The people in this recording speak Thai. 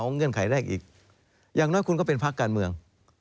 เงื่อนไขแรกอีกอย่างน้อยคุณก็เป็นพักการเมือง